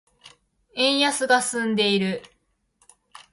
円安が進んでいる。